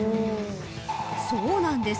［そうなんです］